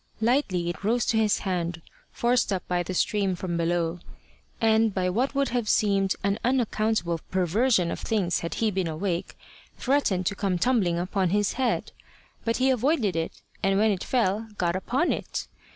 Lightly it rose to his hand, forced up by the stream from below; and, by what would have seemed an unaccountable perversion of things had he been awake, threatened to come tumbling upon his head. But he avoided it, and when it fell, got upon it.